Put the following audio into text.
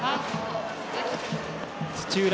土浦